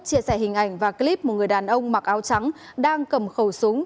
chia sẻ hình ảnh và clip một người đàn ông mặc áo trắng đang cầm khẩu súng